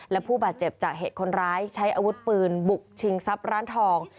และผู้บาดเจ็บจากเหตุคนร้ายใช้อาวุธปืนบุกชิงทรัพย์ร้านทอง